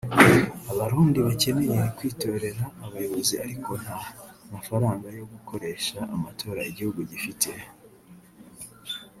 Abarundi bakeneye kwitorera Abayobozi ariko nta mafaranga yo gukoresha amatora igihugu gifite